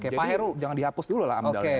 jadi jangan dihapus dulu lah amdalnya